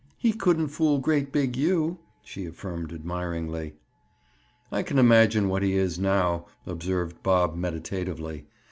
He couldn't fool great big You!" she affirmed admiringly. "I can imagine what he is—now," observed Bob meditatively.